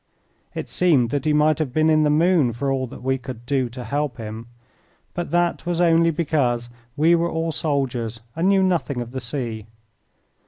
It seemed that he might have been in the moon for all that we could do to help him. But that was only because we were all soldiers and knew nothing of the sea.